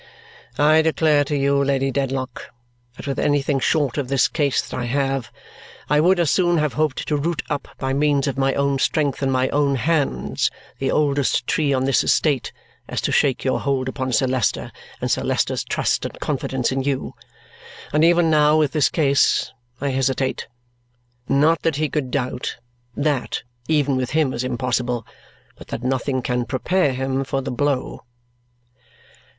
"I declare to you, Lady Dedlock, that with anything short of this case that I have, I would as soon have hoped to root up by means of my own strength and my own hands the oldest tree on this estate as to shake your hold upon Sir Leicester and Sir Leicester's trust and confidence in you. And even now, with this case, I hesitate. Not that he could doubt (that, even with him, is impossible), but that nothing can prepare him for the blow."